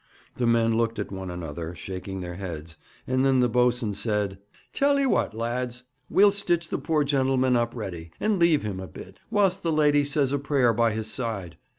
The men looked at one another, shaking their heads, and then the boatswain said: 'Tell 'e what, lads: we'll stitch the poor gentleman up ready, and leave him a bit, whilst the lady says a prayer by his side.